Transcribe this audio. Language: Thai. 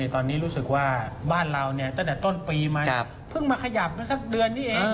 ตอนนี้รู้สึกว่าบ้านเราตั้งแต่ต้นปีมาเพิ่งมาขยับมาสักเดือนนี้เอง